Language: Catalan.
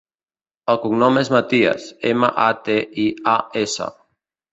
El cognom és Matias: ema, a, te, i, a, essa.